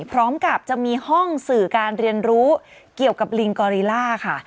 พร้อมกับจะมีห้องสื่อการเรียนรู้เกี่ยวกับลิงกอริล่าค่ะ